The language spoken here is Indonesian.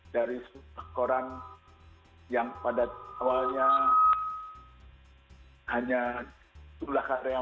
dari seorang yang pada awalnya hanya dua puluh orang